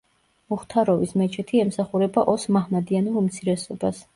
მუხთაროვის მეჩეთი ემსახურება ოს მაჰმადიანურ უმცირესობას.